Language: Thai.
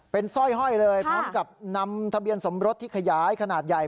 เป็นสร้อยห้อยเลยพร้อมกับนำทะเบียนสมรสที่ขยายขนาดใหญ่